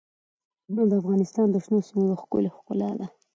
سیلابونه د افغانستان د شنو سیمو یوه ښکلې ښکلا ده.